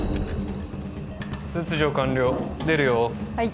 切除完了出るよ・はい